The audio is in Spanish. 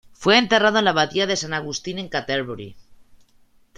Fue enterrado en la Abadía de San Agustín en Canterbury.